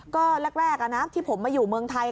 ก็แรกที่ผมมาอยู่เมืองไทย